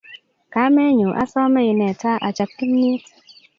Kamenyu asome ineta achop kimnyet